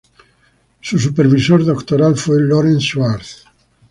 Su supervisor doctoral fue Laurent Schwartz.